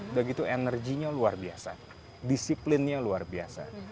udah gitu energinya luar biasa disiplinnya luar biasa